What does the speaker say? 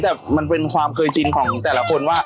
แต่มันเป็นความเคยชินของแต่ละคนว่า